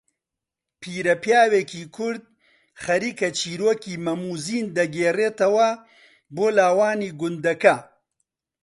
پیرەپیاوێکی کورد خەریکە چیرۆکی مەم و زین دەگێڕەتەوە بۆ لاوانی گوندەکە